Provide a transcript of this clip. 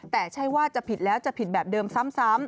แต่ใช่ว่าจะผิดแล้วจะผิดแบบเดิมซ้ำ